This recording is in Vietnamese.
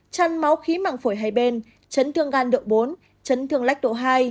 chăn máu khí màng phổi hai bên chấn thương gan độ bốn chấn thương lách độ hai